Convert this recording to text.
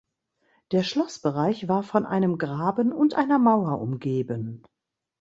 Der Schlossbereich war von einem Graben und einer Mauer umgeben.